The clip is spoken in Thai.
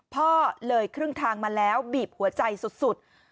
พ่อเลยครึ่งทางมาแล้วบีบหัวใจสุด